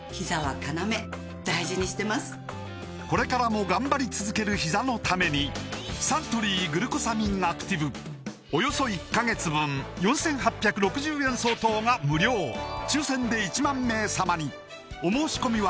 これからも頑張り続けるひざのためにおよそ１カ月分４８６０円相当が無料抽選で１万名様にお申し込みは